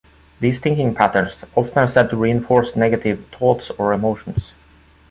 These thinking patterns often are said to reinforce negative thoughts or emotions.